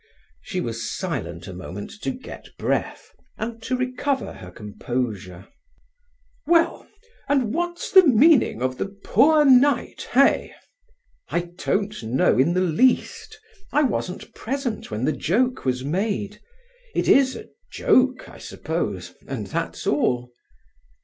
She was silent a moment to get breath, and to recover her composure. "Well!—and what's the meaning of the 'poor knight,' eh?" "I don't know in the least; I wasn't present when the joke was made. It is a joke. I suppose, and that's all."